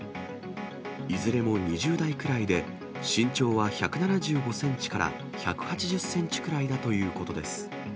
いずれも２０代くらいで、身長は１７５センチから１８０センチくらいだということです。